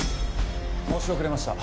申し遅れました。